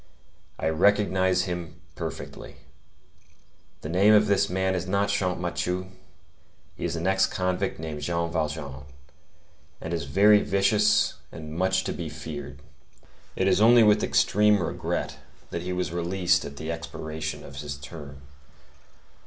I recognize him perfectly. The name of this man is not Champmathieu; he is an ex convict named Jean Valjean, and is very vicious and much to be feared. It is only with extreme regret that he was released at the expiration of his term.